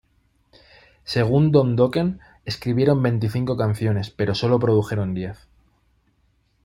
Según Don Dokken escribieron veinticinco canciones, pero solo produjeron diez.